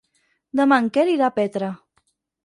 Demà en Quer irà a Petra.